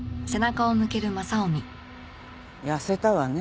痩せたわね。